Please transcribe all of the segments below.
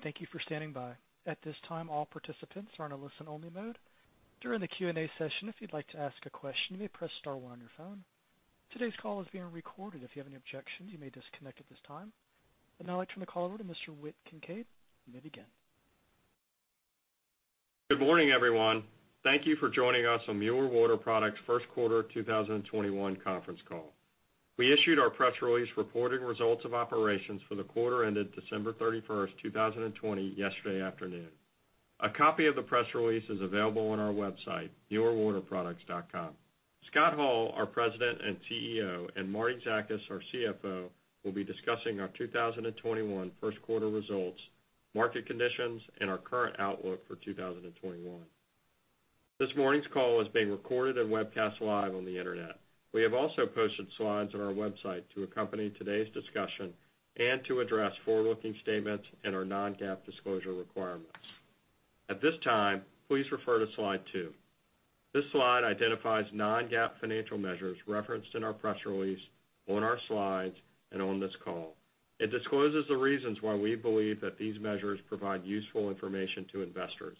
Thank you for standing by. At this time all participants are in a listen-only mode. During the Q&A session if you'd like to ask a question, you may press star one on your phone. Today's call is being recorded and if you have any objections, you may disconnect at this time. I'd now like to turn the call over to Mr. Whit Kincaid. You may begin. Good morning, everyone. Thank you for joining us on Mueller Water Products' first quarter 2021 conference call. We issued our press release reporting results of operations for the quarter ended December 31st, 2020 yesterday afternoon. A copy of the press release is available on our website, muellerwaterproducts.com. Scott Hall, our President and CEO, and Martie Zakas, our CFO, will be discussing our 2021 first quarter results, market conditions, and our current outlook for 2021. This morning's call is being recorded and webcast live on the Internet. We have also posted slides on our website to accompany today's discussion and to address forward-looking statements and our non-GAAP disclosure requirements. At this time, please refer to slide two. This slide identifies non-GAAP financial measures referenced in our press release, on our slides, and on this call. It discloses the reasons why we believe that these measures provide useful information to investors.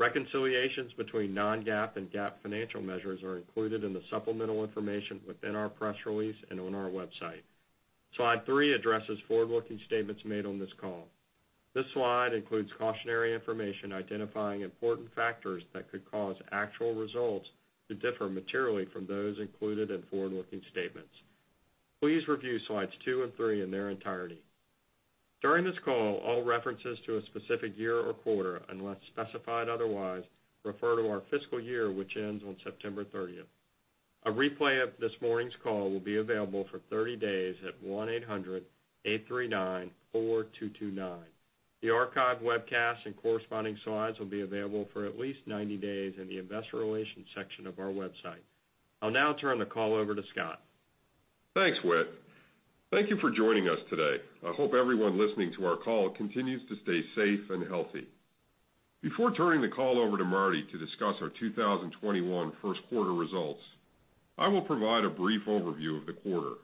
Reconciliations between non-GAAP and GAAP financial measures are included in the supplemental information within our press release and on our website. Slide three addresses forward-looking statements made on this call. This slide includes cautionary information identifying important factors that could cause actual results to differ materially from those included in forward-looking statements. Please review slides two and three in their entirety. During this call, all references to a specific year or quarter, unless specified otherwise, refer to our fiscal year, which ends on September 30th. A replay of this morning's call will be available for 30 days at 1-800-839-4229. The archived webcast and corresponding slides will be available for at least 90 days in the Investor Relations section of our website. I'll now turn the call over to Scott. Thanks, Whit. Thank you for joining us today. I hope everyone listening to our call continues to stay safe and healthy. Before turning the call over to Martie to discuss our 2021 first quarter results, I will provide a brief overview of the quarter.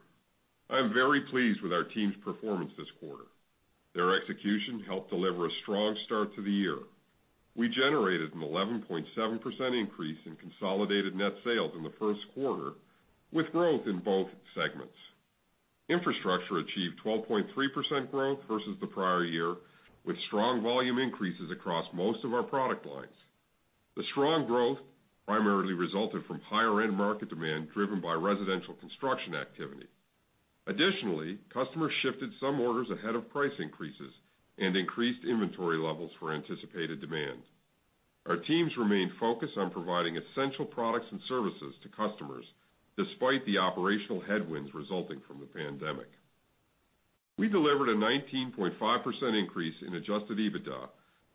I am very pleased with our team's performance this quarter. Their execution helped deliver a strong start to the year. We generated an 11.7% increase in consolidated net sales in the first quarter, with growth in both segments. Infrastructure achieved 12.3% growth versus the prior year, with strong volume increases across most of our product lines. The strong growth primarily resulted from higher-end market demand driven by residential construction activity. Additionally, customers shifted some orders ahead of price increases and increased inventory levels for anticipated demand. Our teams remain focused on providing essential products and services to customers, despite the operational headwinds resulting from the pandemic. We delivered a 19.5% increase in adjusted EBITDA,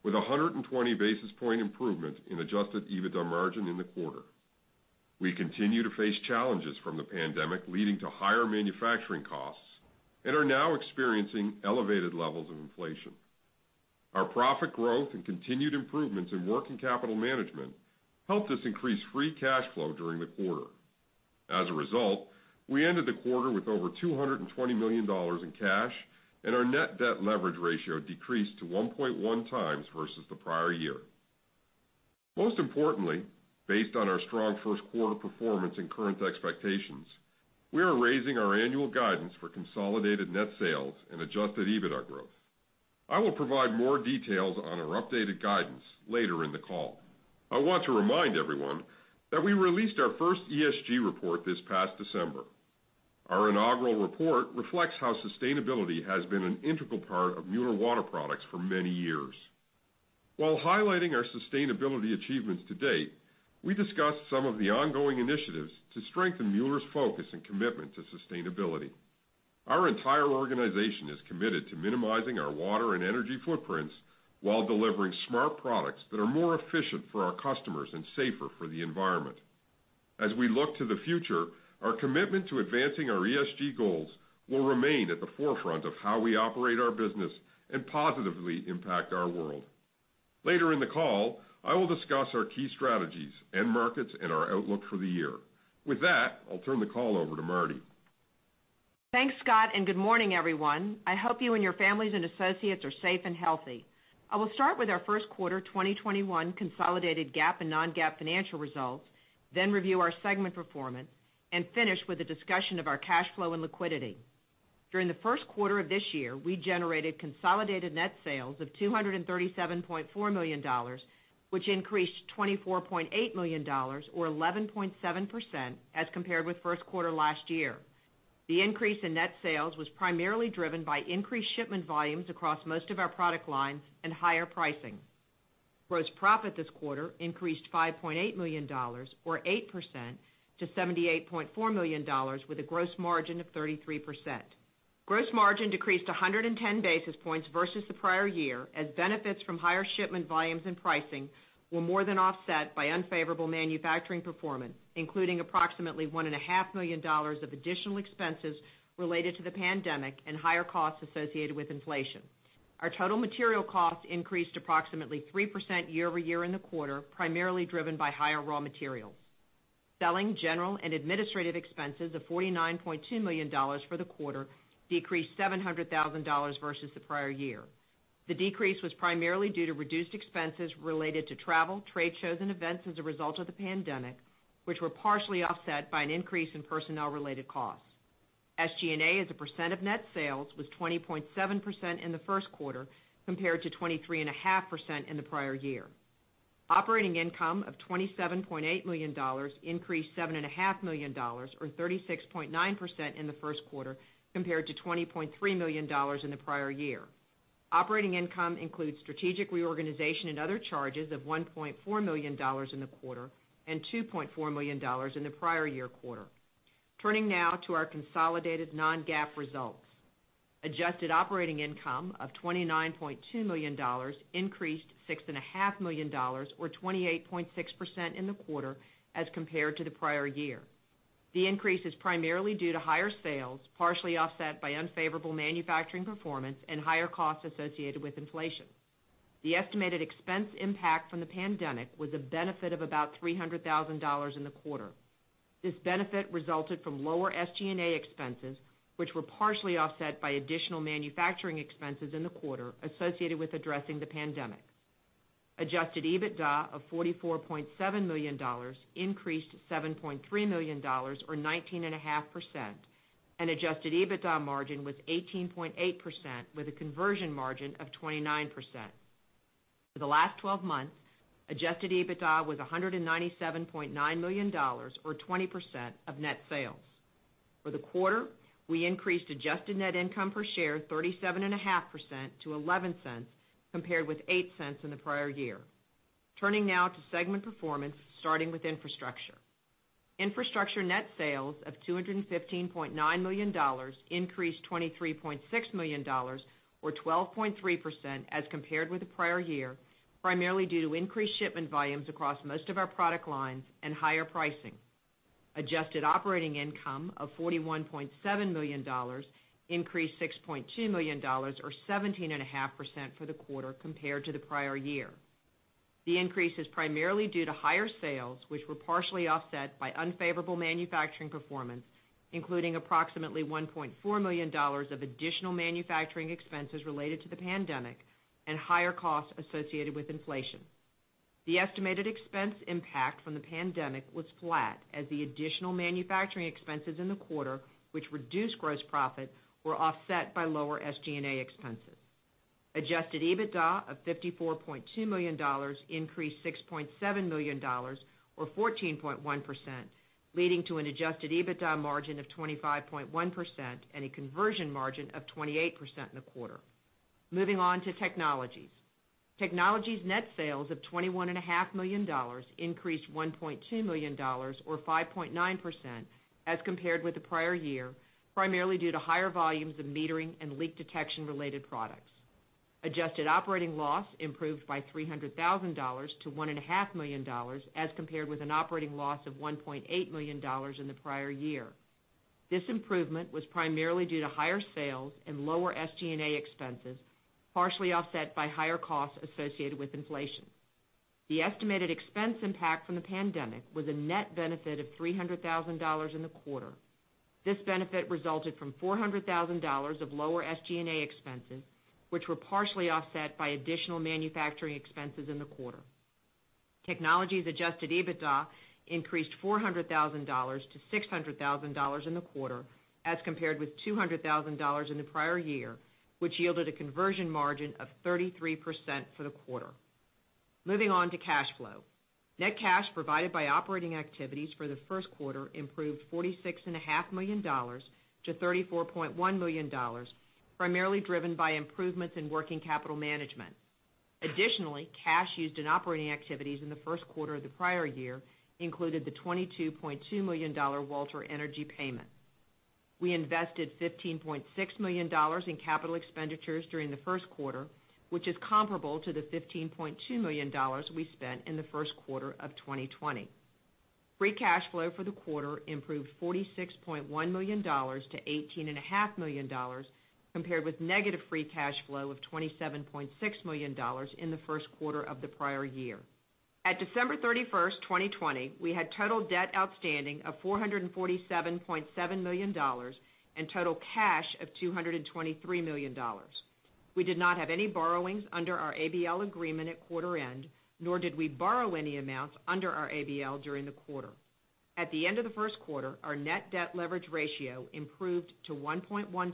with 120 basis point improvement in adjusted EBITDA margin in the quarter. We continue to face challenges from the pandemic, leading to higher manufacturing costs, and are now experiencing elevated levels of inflation. Our profit growth and continued improvements in working capital management helped us increase free cash flow during the quarter. As a result, we ended the quarter with over $220 million in cash, and our net debt leverage ratio decreased to 1.1x versus the prior year. Most importantly, based on our strong first-quarter performance and current expectations, we are raising our annual guidance for consolidated net sales and adjusted EBITDA growth. I will provide more details on our updated guidance later in the call. I want to remind everyone that we released our first ESG report this past December. Our inaugural report reflects how sustainability has been an integral part of Mueller Water Products for many years. While highlighting our sustainability achievements to date, we discussed some of the ongoing initiatives to strengthen Mueller's focus and commitment to sustainability. Our entire organization is committed to minimizing our water and energy footprints while delivering smart products that are more efficient for our customers and safer for the environment. As we look to the future, our commitment to advancing our ESG goals will remain at the forefront of how we operate our business and positively impact our world. Later in the call, I will discuss our key strategies, end markets, and our outlook for the year. With that, I'll turn the call over to Martie. Thanks, Scott. Good morning, everyone. I hope you and your families and associates are safe and healthy. I will start with our first quarter 2021 consolidated GAAP and non-GAAP financial results, then review our segment performance and finish with a discussion of our cash flow and liquidity. During the first quarter of this year, we generated consolidated net sales of $237.4 million, which increased $24.8 million or 11.7% as compared with first quarter last year. The increase in net sales was primarily driven by increased shipment volumes across most of our product lines and higher pricing. Gross profit this quarter increased $5.8 million or 8% to $78.4 million, with a gross margin of 33%. Gross margin decreased 110 basis points versus the prior year as benefits from higher shipment volumes and pricing were more than offset by unfavorable manufacturing performance, including approximately $1.5 million of additional expenses related to the pandemic and higher costs associated with inflation. Our total material cost increased approximately 3% year-over-year in the quarter, primarily driven by higher raw materials. Selling, general, and administrative expenses of $49.2 million for the quarter decreased $700,000 versus the prior year. The decrease was primarily due to reduced expenses related to travel, trade shows, and events as a result of the pandemic, which were partially offset by an increase in personnel-related costs. SG&A as a percentage of net sales was 20.7% in the first quarter compared to 23.5% in the prior year. Operating income of $27.8 million increased $7.5 million, or 36.9%, in the first quarter compared to $20.3 million in the prior year. Operating income includes strategic reorganization and other charges of $1.4 million in the quarter and $2.4 million in the prior year quarter. Turning now to our consolidated non-GAAP results. Adjusted operating income of $29.2 million increased $6.5 million, or 28.6%, in the quarter as compared to the prior year. The increase is primarily due to higher sales, partially offset by unfavorable manufacturing performance and higher costs associated with inflation. The estimated expense impact from the pandemic was a benefit of about $300,000 in the quarter. This benefit resulted from lower SG&A expenses, which were partially offset by additional manufacturing expenses in the quarter associated with addressing the pandemic. Adjusted EBITDA of $44.7 million increased $7.3 million, or 19.5%, and adjusted EBITDA margin was 18.8% with a conversion margin of 29%. For the last 12 months, adjusted EBITDA was $197.9 million, or 20% of net sales. For the quarter, we increased adjusted net income per share 37.5% to $0.11, compared with $0.08 in the prior year. Turning now to segment performance, starting with Infrastructure. Infrastructure net sales of $215.9 million increased $23.6 million, or 12.3%, as compared with the prior year, primarily due to increased shipment volumes across most of our product lines and higher pricing. Adjusted operating income of $41.7 million increased $6.2 million, or 17.5%, for the quarter compared to the prior year. The increase is primarily due to higher sales, which were partially offset by unfavorable manufacturing performance, including approximately $1.4 million of additional manufacturing expenses related to the pandemic and higher costs associated with inflation. The estimated expense impact from the pandemic was flat as the additional manufacturing expenses in the quarter, which reduced gross profit, were offset by lower SG&A expenses. Adjusted EBITDA of $54.2 million increased $6.7 million, or 14.1%, leading to an adjusted EBITDA margin of 25.1% and a conversion margin of 28% in the quarter. Moving on to Technologies. Technologies net sales of $21.5 million increased $1.2 million, or 5.9%, as compared with the prior year, primarily due to higher volumes of metering and leak detection-related products. Adjusted operating loss improved by $300,000 to $1.5 million as compared with an operating loss of $1.8 million in the prior year. This improvement was primarily due to higher sales and lower SG&A expenses, partially offset by higher costs associated with inflation. The estimated expense impact from the pandemic was a net benefit of $300,000 in the quarter. This benefit resulted from $400,000 of lower SG&A expenses, which were partially offset by additional manufacturing expenses in the quarter. Technologies' adjusted EBITDA increased $400,000 to $600,000 in the quarter as compared with $200,000 in the prior year, which yielded a conversion margin of 33% for the quarter. Moving on to cash flow. Net cash provided by operating activities for the first quarter improved $46.5 million to $34.1 million, primarily driven by improvements in working capital management. Additionally, cash used in operating activities in the first quarter of the prior year included the $22.2 million Walter Energy payment. We invested $15.6 million in capital expenditures during the first quarter, which is comparable to the $15.2 million we spent in the first quarter of 2020. Free cash flow for the quarter improved $46.1 million to $18.5 million compared with negative free cash flow of $27.6 million in the first quarter of the prior year. At December 31st, 2020, we had total debt outstanding of $447.7 million and total cash of $223 million. We did not have any borrowings under our ABL agreement at quarter end, nor did we borrow any amounts under our ABL during the quarter. At the end of the first quarter, our net debt leverage ratio improved to 1.1x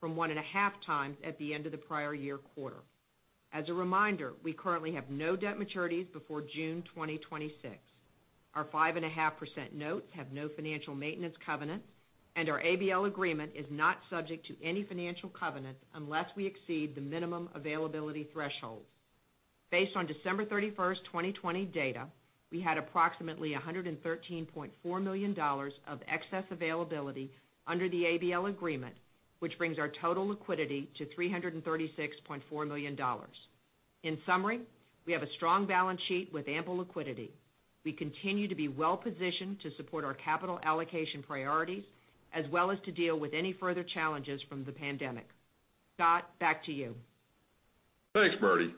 from 1.5x at the end of the prior year quarter. As a reminder, we currently have no debt maturities before June 2026. Our 5.5% notes have no financial maintenance covenants. Our ABL agreement is not subject to any financial covenants unless we exceed the minimum availability thresholds. Based on December 31st, 2020 data, we had approximately $113.4 million of excess availability under the ABL agreement, which brings our total liquidity to $336.4 million. In summary, we have a strong balance sheet with ample liquidity. We continue to be well-positioned to support our capital allocation priorities as well as to deal with any further challenges from the pandemic. Scott, back to you. Thanks, Martie.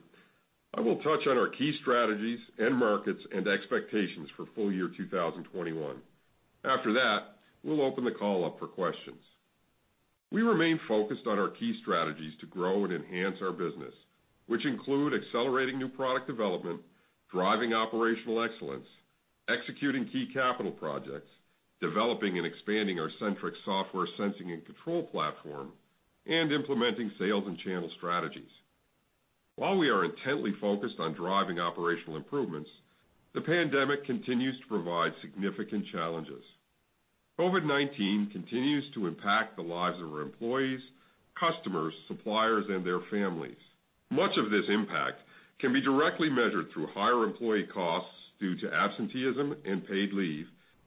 I will touch on our key strategies, end markets, and expectations for full year 2021. After that, we'll open the call up for questions. We remain focused on our key strategies to grow and enhance our business, which include accelerating new product development, driving operational excellence, executing key capital projects, developing and expanding our Sentryx software sensing and control platform, and implementing sales and channel strategies. While we are intently focused on driving operational improvements, the pandemic continues to provide significant challenges. COVID-19 continues to impact the lives of our employees, customers, suppliers, and their families. Much of this impact can be directly measured through higher employee costs due to absenteeism and paid leave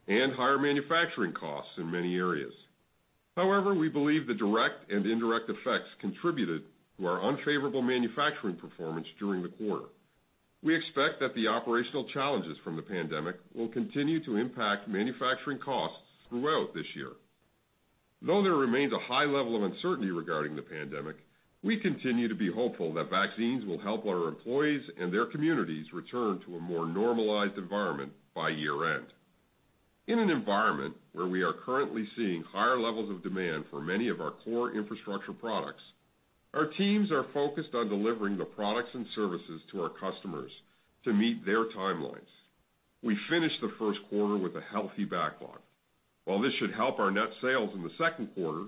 and higher manufacturing costs in many areas. However, we believe the direct and indirect effects contributed to our unfavorable manufacturing performance during the quarter. We expect that the operational challenges from the pandemic will continue to impact manufacturing costs throughout this year. Though there remains a high level of uncertainty regarding the pandemic, we continue to be hopeful that vaccines will help our employees and their communities return to a more normalized environment by year-end. In an environment where we are currently seeing higher levels of demand for many of our core infrastructure products, our teams are focused on delivering the products and services to our customers to meet their timelines. We finished the first quarter with a healthy backlog. While this should help our net sales in the second quarter,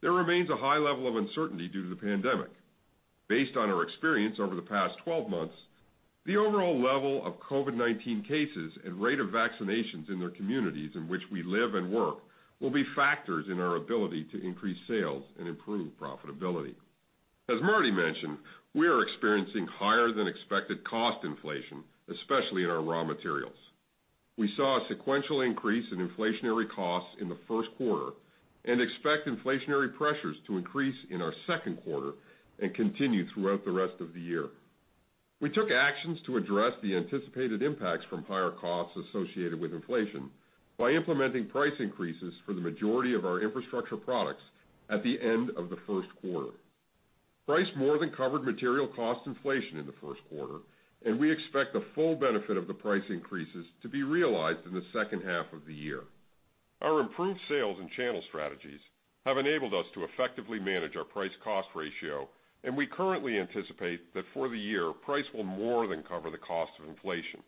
there remains a high level of uncertainty due to the pandemic. Based on our experience over the past 12 months, the overall level of COVID-19 cases and rate of vaccinations in the communities in which we live and work will be factors in our ability to increase sales and improve profitability. As Martie mentioned, we are experiencing higher-than-expected cost inflation, especially in our raw materials. We saw a sequential increase in inflationary costs in the first quarter and expect inflationary pressures to increase in our second quarter and continue throughout the rest of the year. We took actions to address the anticipated impacts from higher costs associated with inflation by implementing price increases for the majority of our infrastructure products at the end of the first quarter. Price more than covered material cost inflation in the first quarter, and we expect the full benefit of the price increases to be realized in the second half of the year. Our improved sales and channel strategies have enabled us to effectively manage our price cost ratio, and we currently anticipate that for the year, price will more than cover the cost of inflation.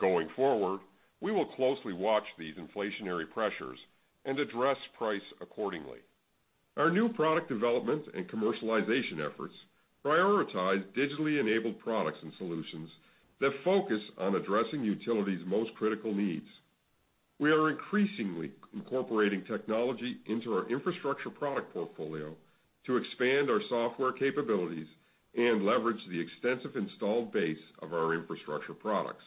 Going forward, we will closely watch these inflationary pressures and address price accordingly. Our new product development and commercialization efforts prioritize digitally enabled products and solutions that focus on addressing utilities' most critical needs. We are increasingly incorporating technology into our infrastructure product portfolio to expand our software capabilities and leverage the extensive installed base of our infrastructure products.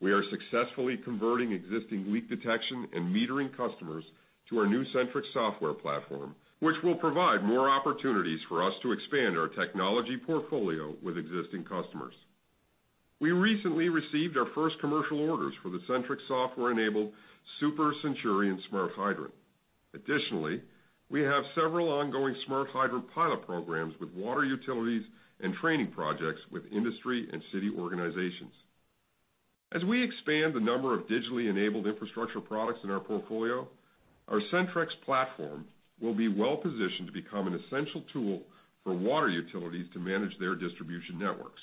We are successfully converting existing leak detection and metering customers to our new Sentryx software platform, which will provide more opportunities for us to expand our technology portfolio with existing customers. We recently received our first commercial orders for the Sentryx software-enabled Super Centurion smart hydrant. Additionally, we have several ongoing smart hydrant pilot programs with water utilities and training projects with industry and city organizations. As we expand the number of digitally enabled infrastructure products in our portfolio, our Sentryx platform will be well-positioned to become an essential tool for water utilities to manage their distribution networks.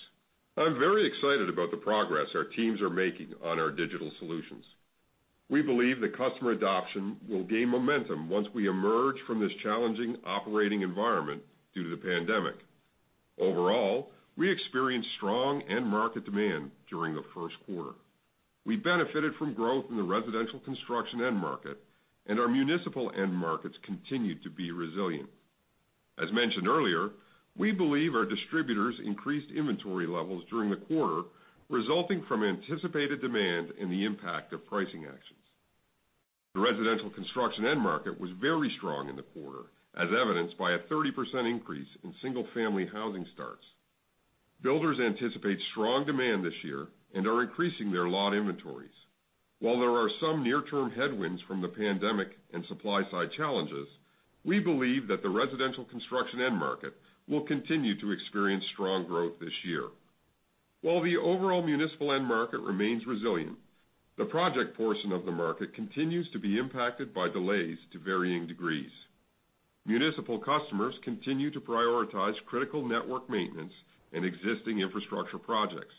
I'm very excited about the progress our teams are making on our digital solutions. We believe that customer adoption will gain momentum once we emerge from this challenging operating environment due to the pandemic. Overall, we experienced strong end market demand during the first quarter. We benefited from growth in the residential construction end market, and our municipal end markets continued to be resilient. As mentioned earlier, we believe our distributors increased inventory levels during the quarter, resulting from anticipated demand and the impact of pricing actions. The residential construction end market was very strong in the quarter, as evidenced by a 30% increase in single-family housing starts. Builders anticipate strong demand this year and are increasing their lot inventories. While there are some near-term headwinds from the pandemic and supply-side challenges, we believe that the residential construction end market will continue to experience strong growth this year. While the overall municipal end market remains resilient, the project portion of the market continues to be impacted by delays to varying degrees. Municipal customers continue to prioritize critical network maintenance and existing infrastructure projects.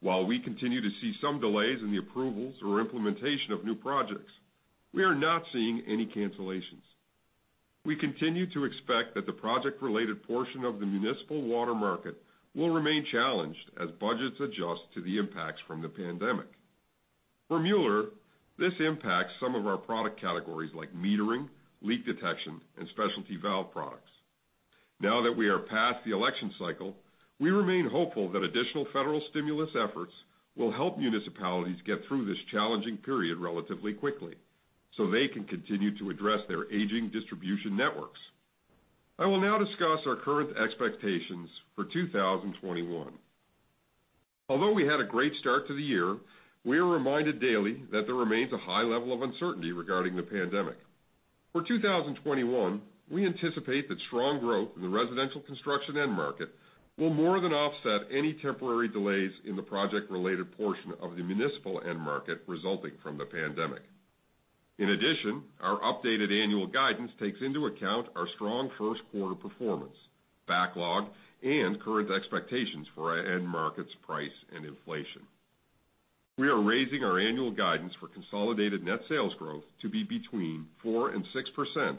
While we continue to see some delays in the approvals or implementation of new projects, we are not seeing any cancellations. We continue to expect that the project-related portion of the municipal water market will remain challenged as budgets adjust to the impacts from the pandemic. For Mueller, this impacts some of our product categories like metering, leak detection, and specialty valve products. Now that we are past the election cycle, we remain hopeful that additional federal stimulus efforts will help municipalities get through this challenging period relatively quickly so they can continue to address their aging distribution networks. I will now discuss our current expectations for 2021. Although we had a great start to the year, we are reminded daily that there remains a high level of uncertainty regarding the pandemic. For 2021, we anticipate that strong growth in the residential construction end market will more than offset any temporary delays in the project-related portion of the municipal end market resulting from the pandemic. In addition, our updated annual guidance takes into account our strong first quarter performance, backlog, and current expectations for our end markets, price, and inflation. We are raising our annual guidance for consolidated net sales growth to be between 4% and 6%,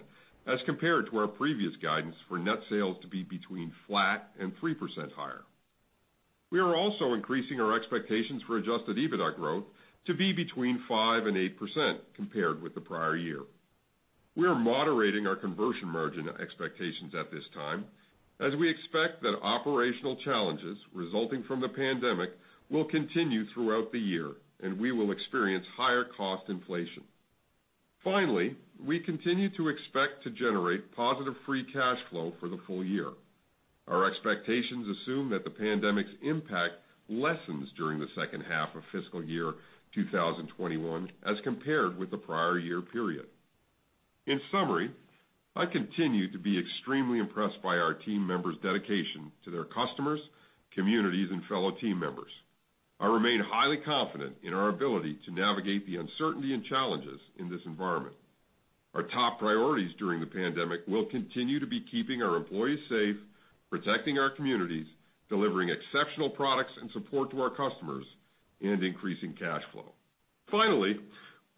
as compared to our previous guidance for net sales to be between flat and 3% higher. We are also increasing our expectations for adjusted EBITDA growth to be between 5% and 8% compared with the prior year. We are moderating our conversion margin expectations at this time as we expect that operational challenges resulting from the pandemic will continue throughout the year, and we will experience higher cost inflation. Finally, we continue to expect to generate positive free cash flow for the full year. Our expectations assume that the pandemic's impact lessens during the second half of fiscal year 2021 as compared with the prior year period. In summary, I continue to be extremely impressed by our team members' dedication to their customers, communities, and fellow team members. I remain highly confident in our ability to navigate the uncertainty and challenges in this environment. Our top priorities during the pandemic will continue to be keeping our employees safe, protecting our communities, delivering exceptional products and support to our customers, and increasing cash flow. Finally,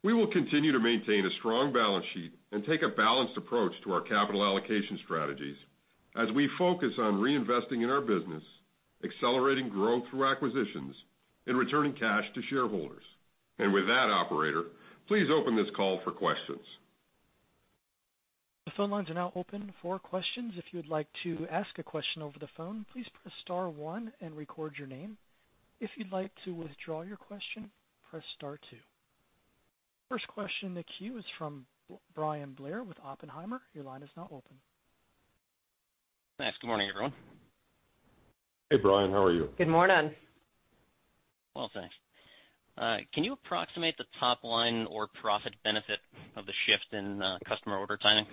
we will continue to maintain a strong balance sheet and take a balanced approach to our capital allocation strategies as we focus on reinvesting in our business, accelerating growth through acquisitions, and returning cash to shareholders. With that, operator, please open this call for questions. The phone lines are now open for questions. If you would like to ask a question over the phone, please press star one and record your name. If you'd like to withdraw your question, press star two. First question in the queue is from Bryan Blair with Oppenheimer. Your line is now open. Thanks. Good morning, everyone. Hey, Bryan. How are you? Good morning. Well, thanks. Can you approximate the top line or profit benefit of the shift in customer order timing?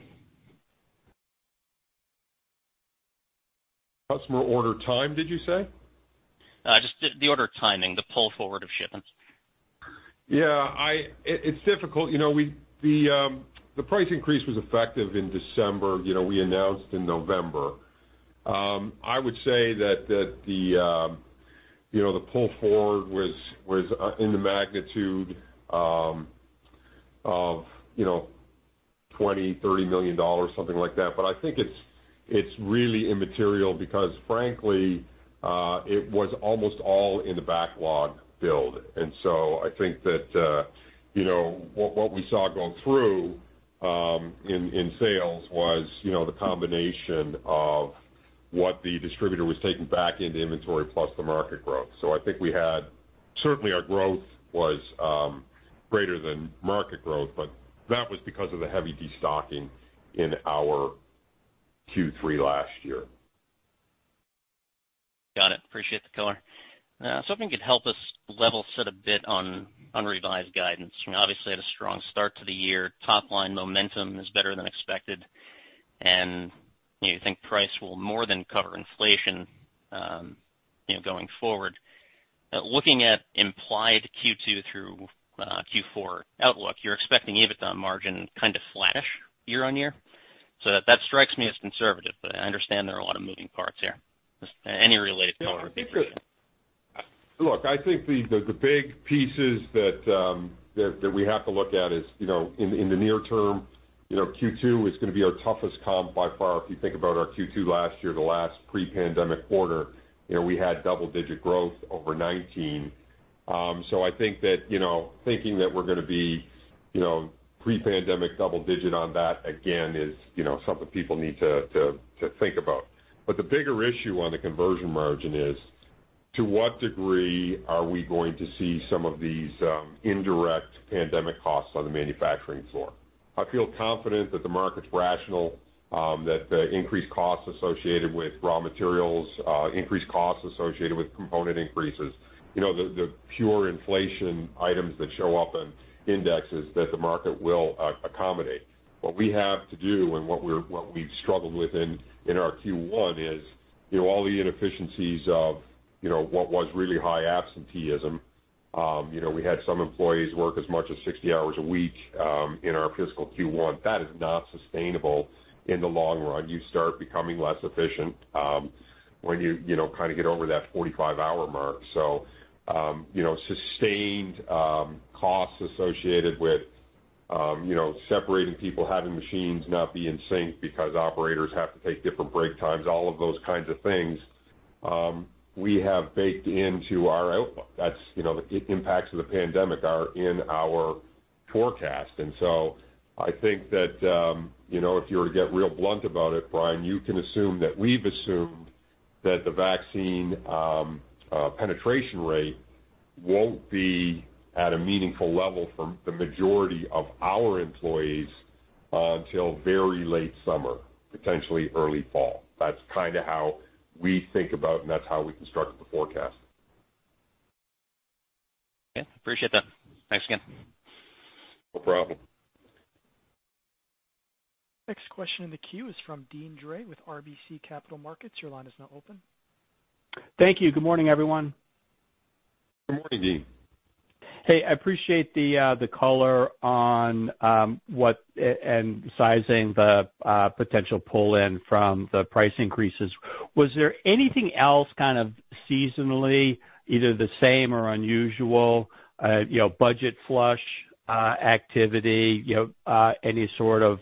Customer order time, did you say? Just the order timing, the pull forward of shipments. Yeah. It's difficult. The price increase was effective in December. We announced in November. I would say that the pull forward was in the magnitude of $20 million-$30 million, something like that. I think it's really immaterial because frankly, it was almost all in the backlog build. I think that what we saw going through in sales was the combination of what the distributor was taking back into inventory plus the market growth. I think certainly our growth was greater than market growth, but that was because of the heavy destocking in our Q3 last year. Got it. Appreciate the color. Something could help us level set a bit on revised guidance. Obviously, had a strong start to the year. Top-line momentum is better than expected, and you think price will more than cover inflation going forward. Looking at implied Q2 through Q4 outlook, you're expecting EBITDA margin kind of flattish year-on-year. That strikes me as conservative, but I understand there are a lot of moving parts here. Just any related color would be great. Look, I think the big pieces that we have to look at is in the near term, Q2 is going to be our toughest comp by far. If you think about our Q2 last year, the last pre-pandemic quarter, we had double-digit growth over 2019. I think that thinking that we're going to be pre-pandemic, double digit on that again is something people need to think about. The bigger issue on the conversion margin is to what degree are we going to see some of these indirect pandemic costs on the manufacturing floor? I feel confident that the market's rational, that the increased costs associated with raw materials, increased costs associated with component increases, the pure inflation items that show up in indexes, that the market will accommodate. What we have to do and what we've struggled with in our Q1 is all the inefficiencies of what was really high absenteeism. We had some employees work as much as 60 hours a week in our fiscal Q1. That is not sustainable in the long run. You start becoming less efficient when you kind of get over that 45-hour mark. Sustained costs associated with separating people, having machines not be in sync because operators have to take different break times, all of those kinds of things, we have baked into our outlook. The impacts of the pandemic are in our forecast. I think that if you were to get real blunt about it, Bryan, you can assume that we've assumed that the vaccine penetration rate won't be at a meaningful level for the majority of our employees until very late summer, potentially early fall. That's how we think about and that's how we constructed the forecast. Okay, appreciate that. Thanks again. No problem. Next question in the queue is from Deane Dray with RBC Capital Markets. Your line is now open. Thank you. Good morning, everyone. Good morning, Deane. Hey, I appreciate the color on and sizing the potential pull-in from the price increases. Was there anything else kind of seasonally either the same or unusual, budget flush activity, any sort of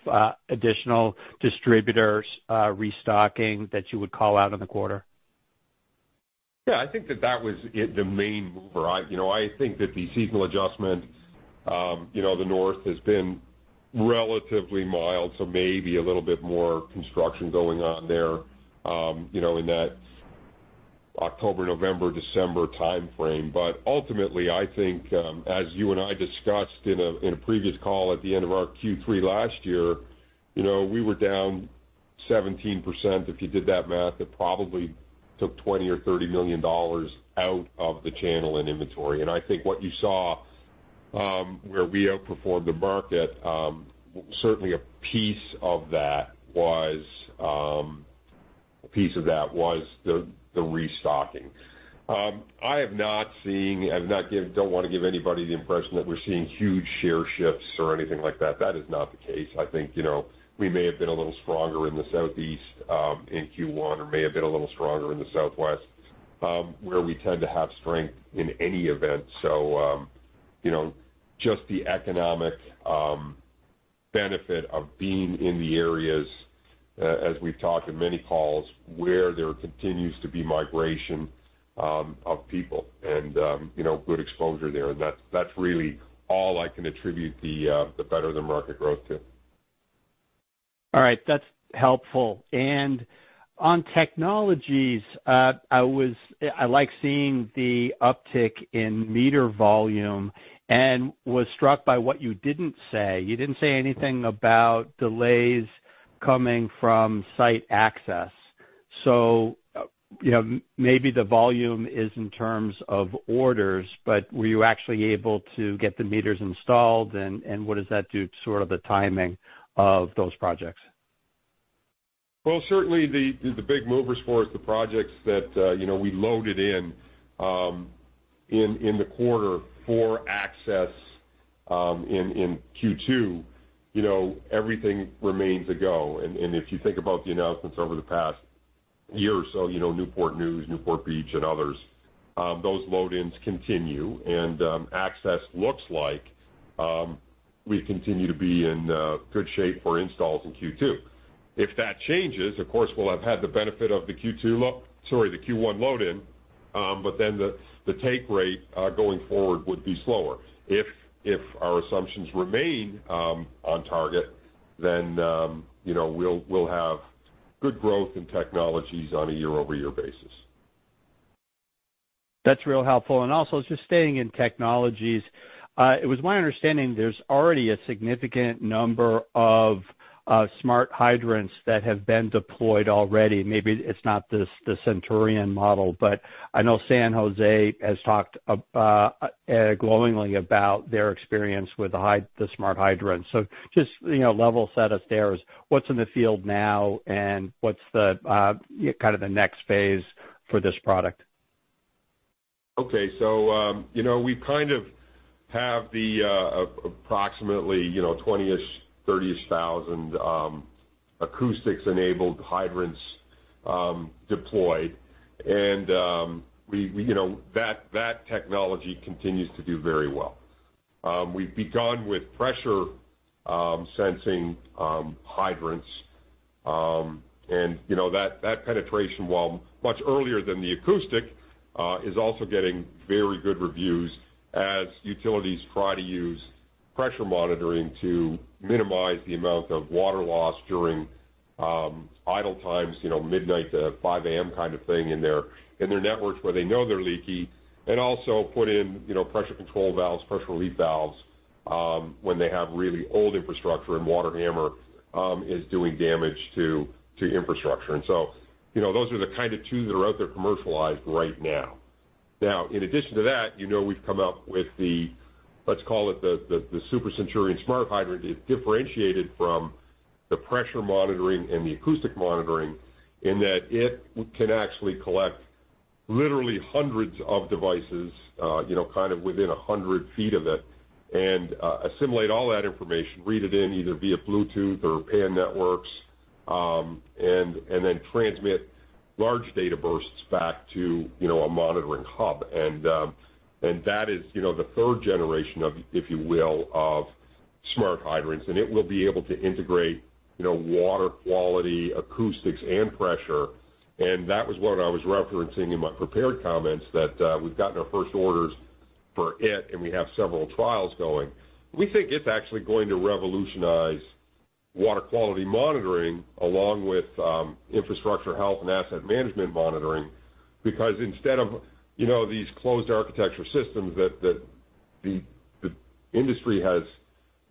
additional distributors restocking that you would call out in the quarter? Yeah, I think that that was the main mover. I think that the seasonal adjustment, the North has been relatively mild, so maybe a little bit more construction going on there, in that October, November, December timeframe. Ultimately, I think, as you and I discussed in a previous call at the end of our Q3 last year, we were down 17%. If you did that math, it probably took $20 million or $30 million out of the channel in inventory. I think what you saw, where we outperformed the market, certainly a piece of that was the restocking. I don't want to give anybody the impression that we're seeing huge share shifts or anything like that. That is not the case. I think, we may have been a little stronger in the Southeast, in Q1 or may have been a little stronger in the Southwest, where we tend to have strength in any event. Just the economic benefit of being in the areas, as we've talked in many calls, where there continues to be migration of people and good exposure there. That's really all I can attribute the better-than-market growth to. All right, that's helpful. On technologies, I like seeing the uptick in meter volume and was struck by what you didn't say. You didn't say anything about delays coming from site access. Maybe the volume is in terms of orders, but were you actually able to get the meters installed and what does that do to sort of the timing of those projects? Well, certainly the big movers for us, the projects that we loaded in the quarter for access in Q2, everything remains a go. If you think about the announcements over the past year or so, Newport News, Newport Beach, and others, those load-ins continue, and access looks like we continue to be in good shape for installs in Q2. If that changes, of course, we'll have had the benefit of the Q1 load-in, but then the take rate, going forward, would be slower. If our assumptions remain on target, then we'll have good growth in technologies on a year-over-year basis. That's real helpful. Also, just staying in technologies, it was my understanding there's already a significant number of smart hydrants that have been deployed already. Maybe it's not the Centurion model, but I know San Jose has talked glowingly about their experience with the smart hydrants. Just level set us there. What's in the field now and what's the next phase for this product? We kind of have approximately 20,000-ish, 30,000-ish acoustics-enabled hydrants deployed. That technology continues to do very well. We've begun with pressure sensing hydrants, and that penetration, while much earlier than the acoustic, is also getting very good reviews as utilities try to use pressure monitoring to minimize the amount of water loss during idle times midnight to 5:00 A.M. kind of thing in their networks where they know they're leaky. Also put in pressure control valves, pressure relief valves, when they have really old infrastructure and water hammer is doing damage to infrastructure. Those are the kind of two that are out there commercialized right now. In addition to that, we've come up with the, let's call it the Super Centurion smart hydrant. It's differentiated from the pressure monitoring and the acoustic monitoring in that it can actually collect literally hundreds of devices within 100 ft of it and assimilate all that information, read it in either via Bluetooth or PAN networks, and then transmit large data bursts back to a monitoring hub. That is the third generation, if you will, of smart hydrants. It will be able to integrate water quality, acoustics, and pressure. That was what I was referencing in my prepared comments that we've gotten our first orders for it, and we have several trials going. We think it's actually going to revolutionize water quality monitoring, along with infrastructure health and asset management monitoring. Instead of these closed architecture systems that the industry has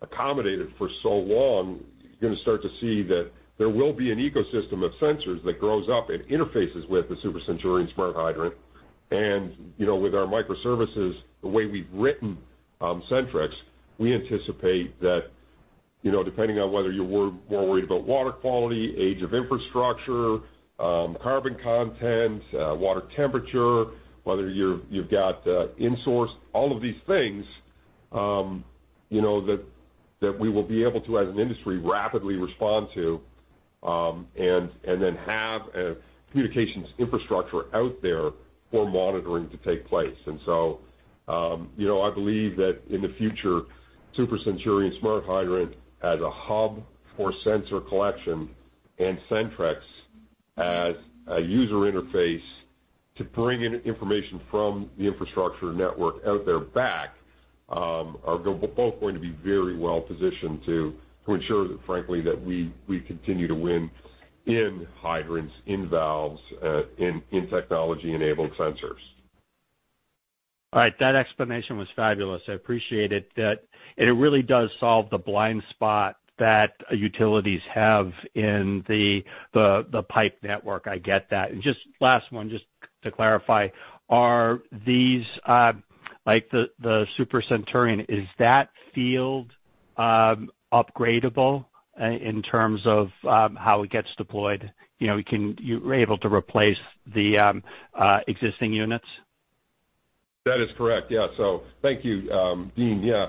accommodated for so long, you're going to start to see that there will be an ecosystem of sensors that grows up and interfaces with the Super Centurion smart hydrant. With our microservices, the way we've written Sentryx, we anticipate that, depending on whether you're more worried about water quality, age of infrastructure, carbon content, water temperature, whether you've got insourced, all of these things that we will be able to, as an industry, rapidly respond to and then have a communications infrastructure out there for monitoring to take place. I believe that in the future, Super Centurion smart hydrant as a hub for sensor collection and Sentryx as a user interface to bring in information from the infrastructure network out there back, are both going to be very well positioned to ensure that frankly, that we continue to win in hydrants, in valves, in technology-enabled sensors. All right. That explanation was fabulous. I appreciate it. It really does solve the blind spot that utilities have in the pipe network. I get that. Just last one, just to clarify, are these, like the Super Centurion, is that field upgradable in terms of how it gets deployed? You're able to replace the existing units? That is correct. Yeah. Thank you, Deane. Yeah.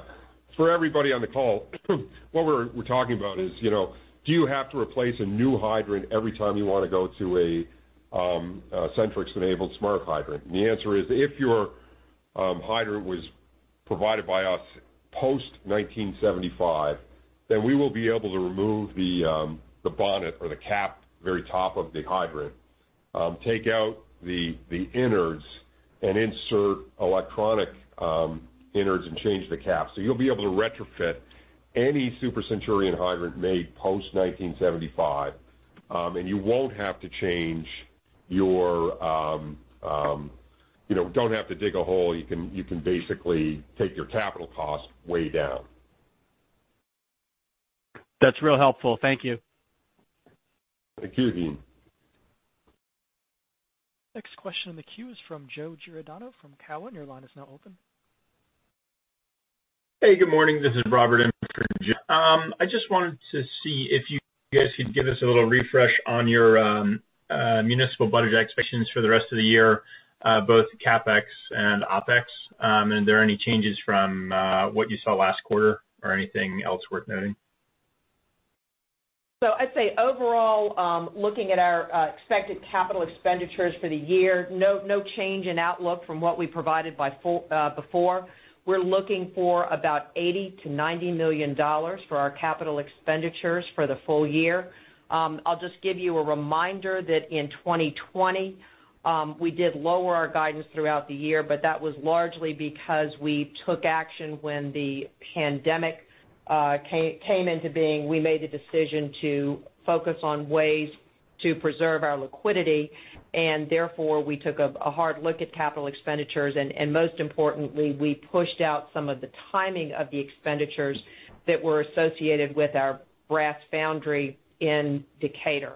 For everybody on the call, what we're talking about is, do you have to replace a new hydrant every time you want to go to a Sentryx-enabled smart hydrant? The answer is, if your hydrant was provided by us post-1975, then we will be able to remove the bonnet or the cap, very top of the hydrant, take out the innards and insert electronic innards and change the cap. You'll be able to retrofit any Super Centurion hydrant made post-1975. You won't have to change. You don't have to dig a hole. You can basically take your capital cost way down. That's real helpful. Thank you. Thank you, Deane. Next question in the queue is from Joe Giordano from Cowen. Your line is now open. Hey, good morning. This is Robert on for Joe. I just wanted to see if you guys could give us a little refresh on your municipal budget expectations for the rest of the year, both CapEx and OpEx. Are there any changes from what you saw last quarter or anything else worth noting? I'd say overall, looking at our expected capital expenditures for the year, no change in outlook from what we provided before. We're looking for about $80 million-$90 million for our capital expenditures for the full year. I'll just give you a reminder that in 2020, we did lower our guidance throughout the year, but that was largely because we took action when the pandemic came into being. We made a decision to focus on ways to preserve our liquidity, and therefore, we took a hard look at capital expenditures. Most importantly, we pushed out some of the timing of the expenditures that were associated with our brass foundry in Decatur.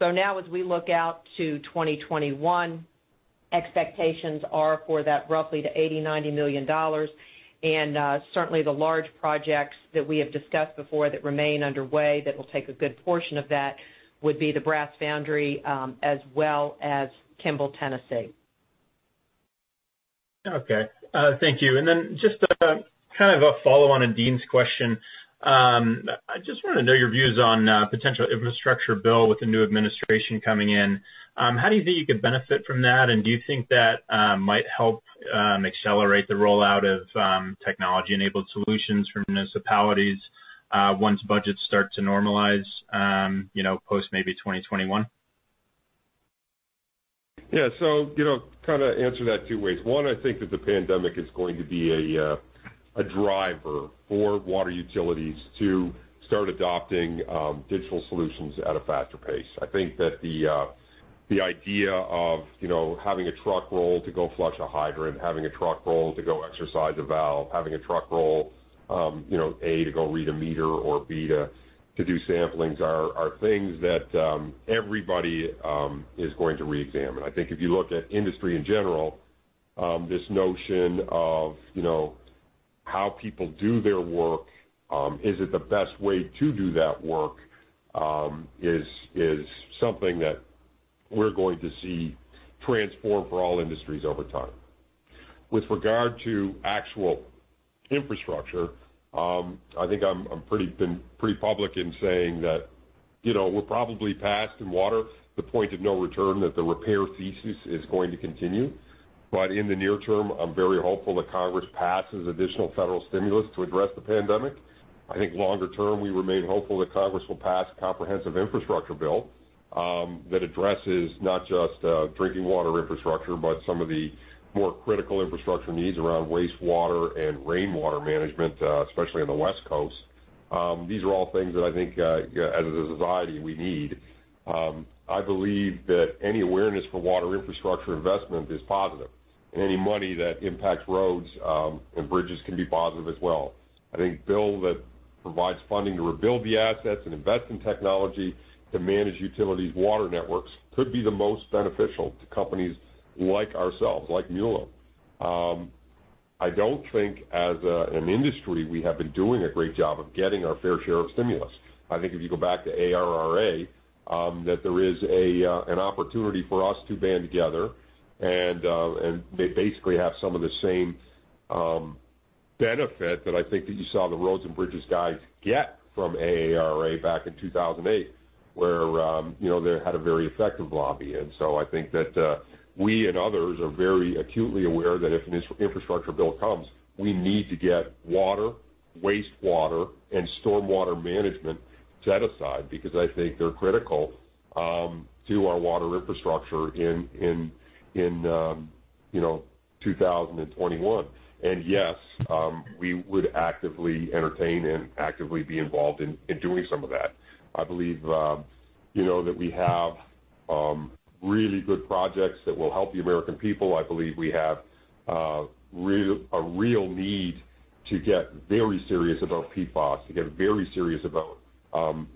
Now as we look out to 2021, expectations are for that roughly $80 million-$90 million. Certainly the large projects that we have discussed before that remain underway that will take a good portion of that would be the brass foundry, as well as Kimball, Tennessee. Okay. Thank you. Just a follow-on to Deane's question. I just want to know your views on potential infrastructure bill with the new administration coming in. How do you think you could benefit from that? Do you think that might help accelerate the rollout of technology-enabled solutions for municipalities once budgets start to normalize post maybe 2021? Answer that two ways. One, I think that the pandemic is going to be a driver for water utilities to start adopting digital solutions at a faster pace. I think that the idea of having a truck roll to go flush a hydrant, having a truck roll to go exercise a valve, having a truck roll A, to go read a meter or B, to do samplings are things that everybody is going to reexamine. I think if you look at industry in general, this notion of how people do their work, is it the best way to do that work, is something that we're going to see transform for all industries over time. With regard to actual infrastructure, I think I've been pretty public in saying that we're probably past in water the point of no return, that the repair thesis is going to continue. In the near term, I'm very hopeful that Congress passes additional federal stimulus to address the pandemic. I think longer term, we remain hopeful that Congress will pass comprehensive infrastructure bill that addresses not just drinking water infrastructure, but some of the more critical infrastructure needs around wastewater and rainwater management, especially on the West Coast. These are all things that I think, as a society, we need. I believe that any awareness for water infrastructure investment is positive, and any money that impacts roads and bridges can be positive as well. I think a bill that provides funding to rebuild the assets and invest in technology to manage utilities' water networks could be the most beneficial to companies like ourselves, like Mueller. I don't think as an industry, we have been doing a great job of getting our fair share of stimulus. I think if you go back to ARRA, that there is an opportunity for us to band together and basically have some of the same benefit that I think that you saw the roads and bridges guys get from ARRA back in 2008, where they had a very effective lobby. I think that we and others are very acutely aware that if an infrastructure bill comes, we need to get water, wastewater, and stormwater management set aside, because I think they're critical to our water infrastructure in 2021. Yes, we would actively entertain and actively be involved in doing some of that. I believe that we have really good projects that will help the American people. I believe we have a real need to get very serious about PFAS, to get very serious about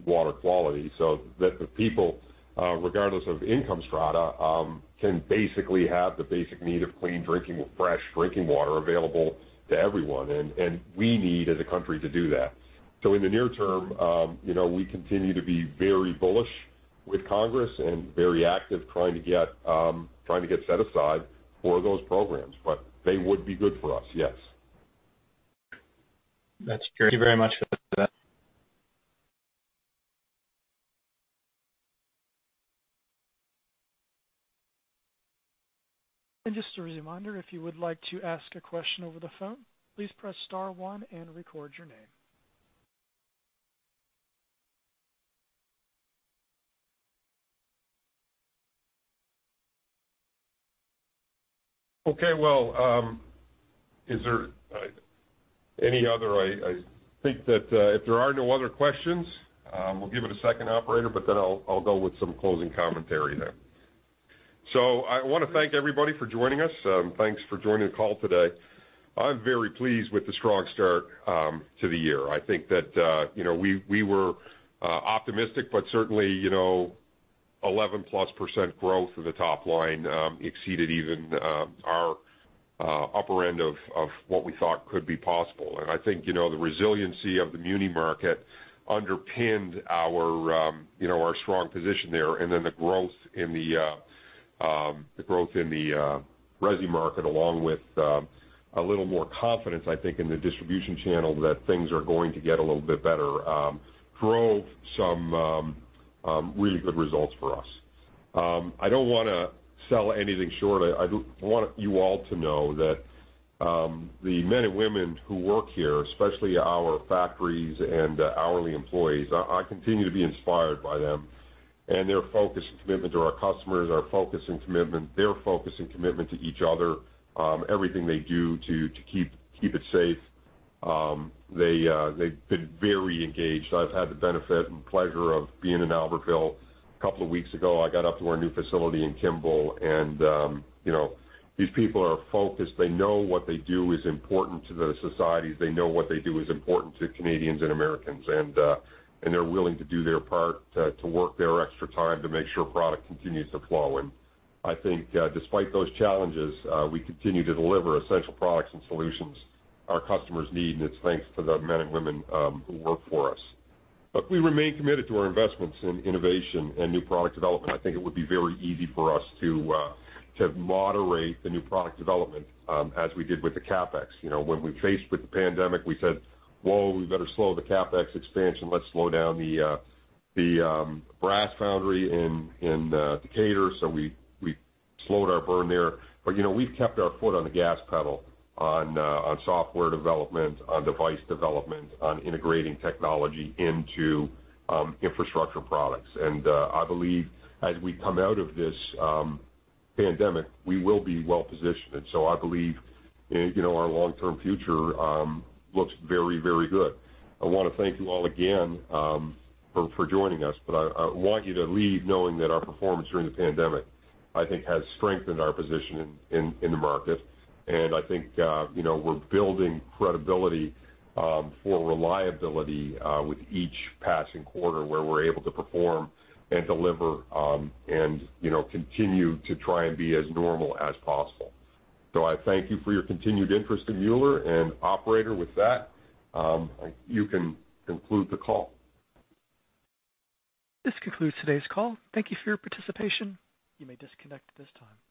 water quality, so that the people, regardless of income strata, can basically have the basic need of clean drinking or fresh drinking water available to everyone. We need, as a country, to do that. In the near term, we continue to be very bullish with Congress and very active trying to get set aside for those programs. They would be good for us, yes. That's great. Thank you very much for that. Just a reminder, if you would like to ask a question over the phone, please press star one and record your name. Okay. I think that if there are no other questions, we'll give it a second, operator, I'll go with some closing commentary there. I want to thank everybody for joining us. Thanks for joining the call today. I'm very pleased with the strong start to the year. I think that we were optimistic, but certainly, 11%+ growth in the top line exceeded even our upper end of what we thought could be possible. I think the resiliency of the muni market underpinned our strong position there. The growth in the resi market, along with a little more confidence, I think, in the distribution channel, that things are going to get a little bit better, drove some really good results for us. I don't want to sell anything short. I want you all to know that the men and women who work here, especially our factories and hourly employees, I continue to be inspired by them and their focus and commitment to our customers, their focus and commitment to each other. Everything they do to keep it safe. They've been very engaged. I've had the benefit and pleasure of being in Albertville a couple of weeks ago. I got up to our new facility in Kimball. These people are focused. They know what they do is important to the societies. They know what they do is important to Canadians and Americans. They're willing to do their part to work their extra time to make sure product continues to flow. I think despite those challenges, we continue to deliver essential products and solutions our customers need, and it's thanks to the men and women who work for us. We remain committed to our investments in innovation and new product development. I think it would be very easy for us to moderate the new product development as we did with the CapEx. When we faced with the pandemic, we said, "Whoa, we better slow the CapEx expansion. Let's slow down the brass foundry in Decatur." We slowed our burn there. We've kept our foot on the gas pedal on software development, on device development, on integrating technology into infrastructure products. I believe as we come out of this pandemic, we will be well-positioned. I believe our long-term future looks very, very good. I want to thank you all again for joining us, but I want you to leave knowing that our performance during the pandemic, I think, has strengthened our position in the market. I think we're building credibility for reliability with each passing quarter where we're able to perform and deliver and continue to try and be as normal as possible. I thank you for your continued interest in Mueller, and operator, with that, you can conclude the call. This concludes today's call. Thank you for your participation. You may disconnect at this time.